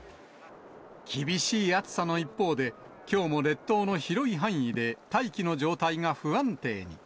厳しい暑さの一方で、きょうも列島の広い範囲で大気の状態が不安定に。